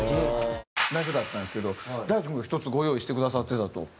内緒だったんですけど大知君が１つご用意してくださってたと。